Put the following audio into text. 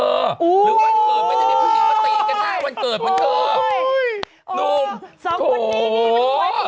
หรือวันเกิดไม่ได้มีผู้หญิงมาตีกันได้